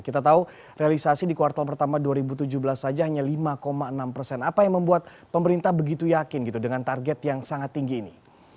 kita tahu realisasi di kuartal pertama dua ribu tujuh belas saja hanya lima enam persen apa yang membuat pemerintah begitu yakin gitu dengan target yang sangat tinggi ini